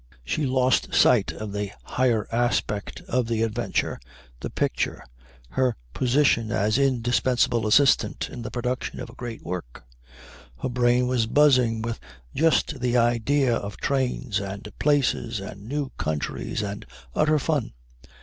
She lost sight of the higher aspect of the adventure, the picture, her position as indispensable assistant in the production of a great work; her brain was buzzing with just the idea of trains and places and new countries and utter fun.